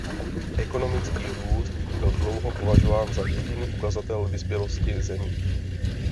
Ekonomický růst byl dlouho považován za jediný ukazatel vyspělosti zemí.